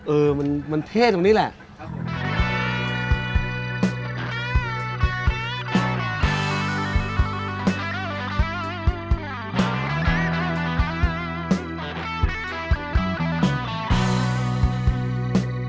เออมันเท่ตรงนี้แหละ